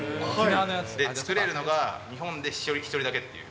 作れるのが日本で１人だけっていう。